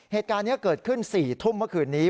เหตุการณ์นี้เกิดขึ้น๔ทุ่มเมื่อคืนนี้